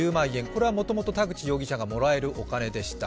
これはもともと田口容疑者がもらえるお金でした。